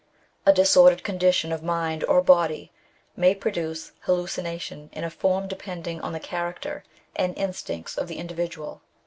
A disordered condition of mind or body may produce hallucination in a form depending on the character and instincts of the indi vidual.